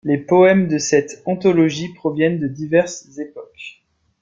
Les poèmes de cette anthologie proviennent de diverses époques.